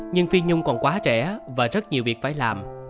nhưng phi nhung còn quá trẻ và rất nhiều việc phải làm